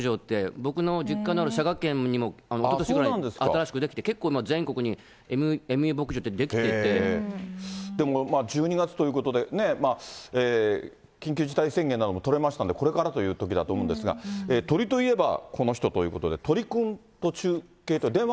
僕の実家のある佐賀県にも、おととしぐらいに新しく出来て、結構、全国にエミュー牧場って出でも１２月ということで、緊急事態宣言なども取れましたんで、これからというときだと思うんですが、鳥といえば、この人ということで、鳥くんと中継、電話？